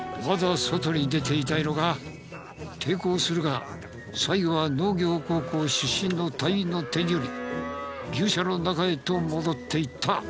まだ外に出ていたいのか抵抗するが最後は農業高校出身の隊員の手により牛舎の中へと戻っていった。